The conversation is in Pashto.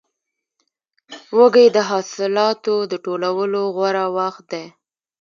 وږی د حاصلاتو د ټولولو غوره وخت دی.